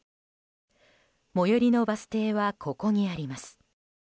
最寄りのバス停はここにあります。